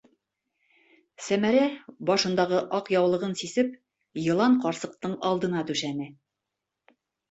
Сәмәрә, башындағы аҡ яулығын сисеп, Йылан-ҡарсыҡтың алдына түшәне.